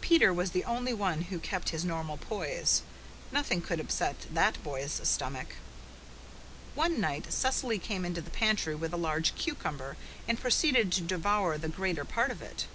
Peter was the only one who kept his normal poise. Nothing could upset that boy's stomach. One night Cecily came into the pantry with a large cucumber, and proceeded to devour the greater part of it.